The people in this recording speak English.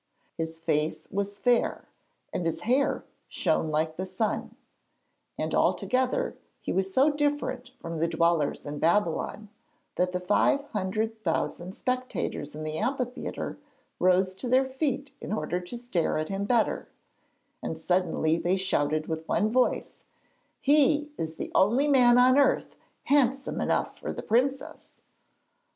His face was fair and his hair shone like the sun, and altogether he was so different from the dwellers in Babylon that the five hundred thousand spectators in the amphitheatre rose to their feet in order to stare at him better; and suddenly they shouted with one voice: 'He is the only man on earth handsome enough for the princess.'